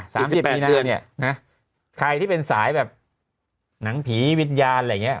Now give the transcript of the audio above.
สิบแปดเดือนเนี้ยนะใครที่เป็นสายแบบหนังผีวิญญาณอะไรอย่างเงี้